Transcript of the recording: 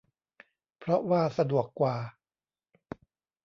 เพราะว่าสะดวกกว่า